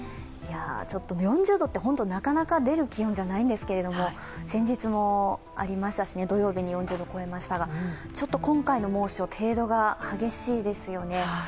４０度って、本当になかなか出る気温じゃないんですけれども、先日もありましたし、土曜日に４０度を超えましたがちょっと今回の猛暑、程度が激しいですよね。